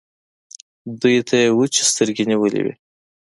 دوی ته يې وچې سترګې نيولې وې.